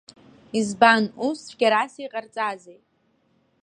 Избан, ус цәгьарас иҟарҵазеи?